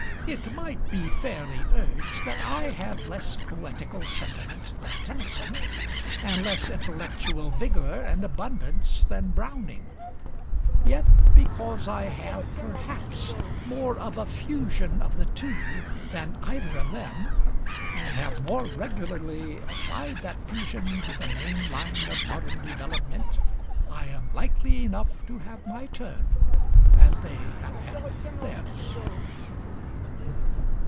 It might be fairly urged that I have less poetical sentiment than Tennyson, and less intellectual vigor and abundance than Browning; yet because I have, perhaps, more of a fusion of the two than either of them, and have more regularly applied that fusion to the main line of modern development, I am likely enough to have my turn, as they have had theirs."